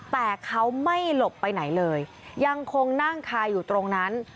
แต่เขาไม่หลบไปไหนเลยยังคงนั่งคาอยู่ตรงนั้น